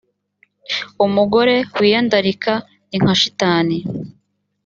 umugore wiyandarika ni nka shitani